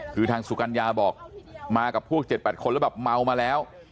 คือทางสุกัญญาบอกมากับพวก๗๘คนแล้วแบบเมามาแล้ว